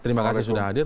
terima kasih sudah hadir